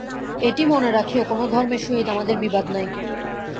এটি মনে রাখিও, কোন ধর্মের সহিত আমাদের বিবাদ নাই।